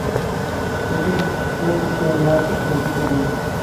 لېكىن بۇ بىزگە ناھايىتى پەيزى كۆرۈندى.